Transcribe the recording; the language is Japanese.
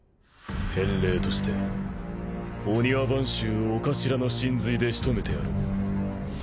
返礼として御庭番衆御頭の神髄で仕留めてやろう。